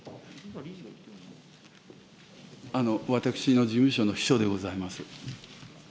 私の事務所の秘書でございます。